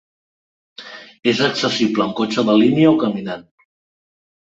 És accessible amb cotxe de línia o caminant.